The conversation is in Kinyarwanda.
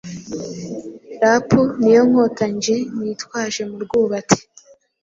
Rap niyo nkota nje nitwaje murwubati